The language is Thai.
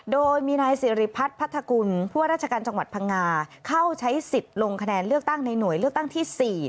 โดยมีนายสิริพัฒน์พัทธกุลผู้ว่าราชการจังหวัดพังงาเข้าใช้สิทธิ์ลงคะแนนเลือกตั้งในหน่วยเลือกตั้งที่๔